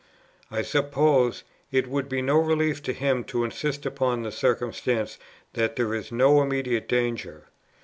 I suppose, it would be no relief to him to insist upon the circumstance that there is no immediate danger.